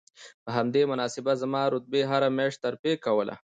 په همدې مناسبت زما رتبې هره میاشت ترفیع کوله